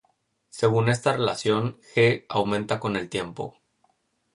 Según esta relación, "G" aumenta con el tiempo.